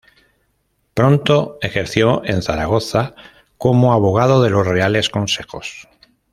Pronto ejerció en Zaragoza como "Abogado de los Reales Consejos".